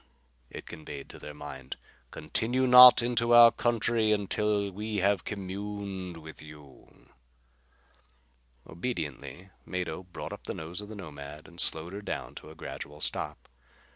it conveyed to their mind. "Continue not into our country until we have communed with you." Obediently Mado brought up the nose of the Nomad and slowed her down to a gradual stop.